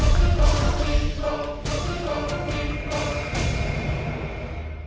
โปรดติดตามตอนต่อไป